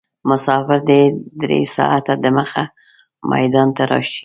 مسافر دې درې ساعته دمخه میدان ته راشي.